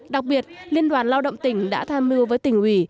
đặc biệt liên đoàn lao động tỉnh đã tham mưu với tỉnh ủy